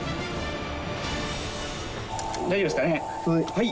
はい。